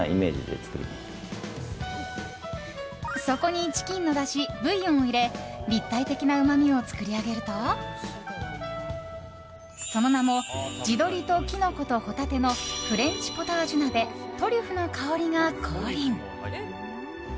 そこにチキンのだしブイヨンを入れ立体的なうまみを作り上げるとその名も地鶏とキノコと帆立のフレンチ・ポタージュ鍋、トリュフの香りが降臨。